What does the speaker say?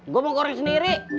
gue mau goreng sendiri